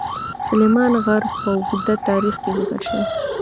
سلیمان غر په اوږده تاریخ کې ذکر شوی.